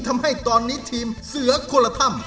ทำให้ตอนนี้ทีมเสือโคลอธรรม